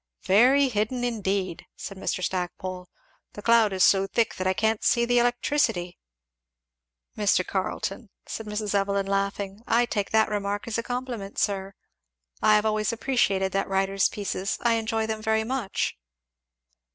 "Very hidden indeed!" said Mr. Stackpole; "the cloud is so thick that I can't see the electricity!" "Mr. Carleton," said Mrs. Evelyn laughing, "I take that remark as a compliment, sir. I have always appreciated that writer's pieces I enjoy them very much."